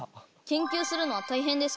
研究するのは大変ですか？